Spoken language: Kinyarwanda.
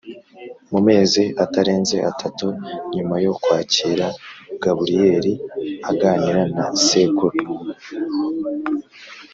Mu mezi atarenze atatu nyuma yo kwakira gaburiyeri aganira na sekuru